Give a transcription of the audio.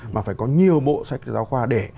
mà phải có nhiều bộ sách giáo khoa